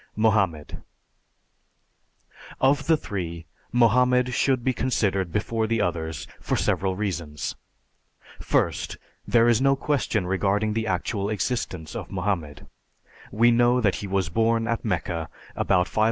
MOHAMMED Of the three, Mohammed should be considered before the others for several reasons. First, there is no question regarding the actual existence of Mohammed. We know that he was born at Mecca about 571 A.